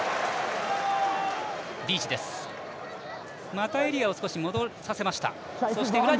またエリアを少し戻させました。